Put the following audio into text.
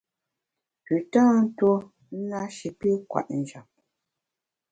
Pü tâ ntuo na shi pi kwet njap.